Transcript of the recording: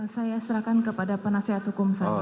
saya serahkan kepada penasehat hukum saya